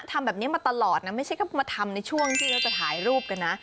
ทำแบบนี้มาตลอดนะไม่ใช่ก็มาทำในช่วงที่เราจะถ่ายรูปกันนะ